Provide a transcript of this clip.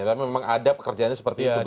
karena memang ada pekerjaannya seperti itu